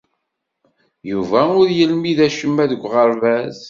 Yuba ur yelmid acemma deg uɣerbaz.